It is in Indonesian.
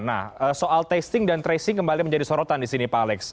nah soal testing dan tracing kembali menjadi sorotan di sini pak alex